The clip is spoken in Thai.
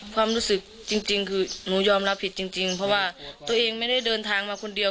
ความรู้สึกจริงคือหนูยอมรับผิดจริงเพราะว่าตัวเองไม่ได้เดินทางมาคนเดียว